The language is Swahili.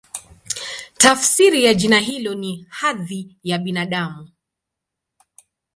Tafsiri ya jina hilo ni "Hadhi ya Binadamu".